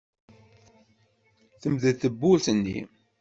Temdel tewwurt-nni.